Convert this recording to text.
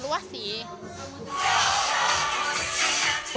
untuk menghadiri acara ini pengunjungnya juga bisa berpikir pikir